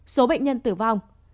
số bệnh nhân tử vong